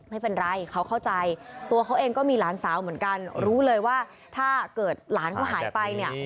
ไม่เป็นไรเขาเข้าใจตัวเขาเองก็มีหลานสาวเหมือนกันรู้เลยว่าถ้าเกิดหลานเขาหายไปเนี่ย